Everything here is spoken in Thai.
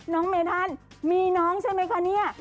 น้องเมธันมีน้องใช่ไหมคะเนี่ย